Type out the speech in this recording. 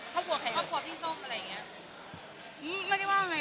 ครอบครัวใครครอบครัวพี่ส้มอะไรอย่างเงี้ยอืมไม่ได้ว่าไง